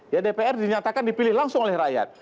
ya dpr dinyatakan dipilih langsung oleh rakyat